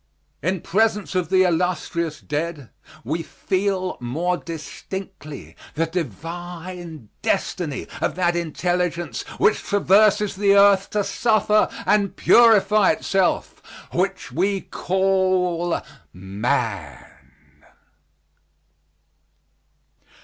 In presence of the illustrious dead, we feel more distinctly the divine destiny of that intelligence which traverses the earth to suffer and to purify itself, which we call man.